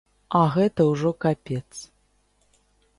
А гэта ўжо капец.